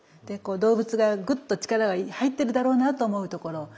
でこう動物がグッと力が入ってるだろうなと思うところ。